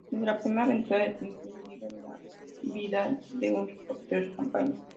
Desde la primera aventura de Tintín, vive la vida de un reportero de campaña.